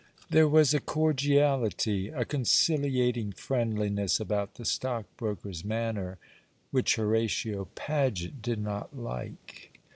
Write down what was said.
There was a cordiality, a conciliating friendliness about the stockbroker's manner which Horatio Paget did not like.